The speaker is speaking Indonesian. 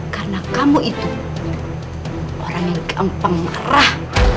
karena kamu itu orang yang gampang marah